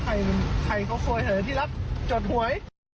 ใครเป็นใครเขาโทยเธอที่รักจดหวย